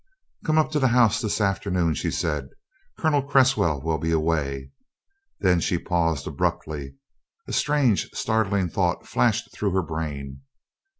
"Come up to the house this afternoon," she said; "Colonel Cresswell will be away " Then she paused abruptly. A strange startling thought flashed through her brain.